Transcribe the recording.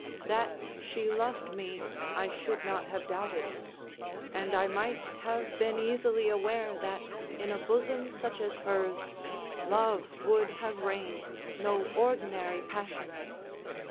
That she loved me I should not have doubted; and I might have been easily aware that, in a bosom such as hers, love would have reigned no ordinary passion.